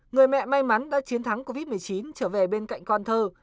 người mẹ may mắn đã chiến thắng covid một mươi chín trở về bên cạnh con thơ